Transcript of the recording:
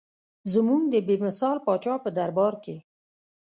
زموږ د بې مثال پاچا په دربار کې.